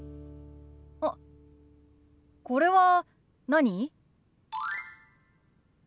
あっこれは何？